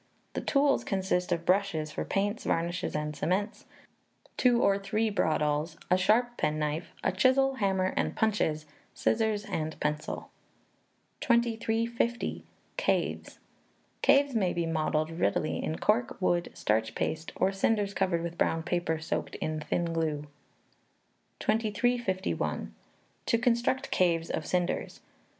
The tools consist of brushes for paints, varnishes, and cements; two or three bradawls; a sharp penknife; a chisel, hammer, and punches; scissors and pencil. 2350. Caves. Caves may be modelled readily in cork, wood, starch paste, or cinders covered with brown paper soaked in thin glue. 2351. To Construct Caves of Cinders.